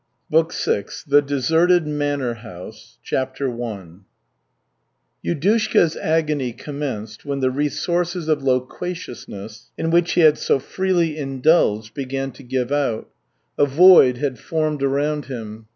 BOOK VI THE DESERTED MANOR HOUSE CHAPTER I Yudushka's agony commenced when the resources of loquaciousness, in which he had so freely indulged, began to give out. A void had formed around him.